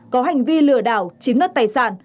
có hành vi lừa đảo chiếm đoạt tài sản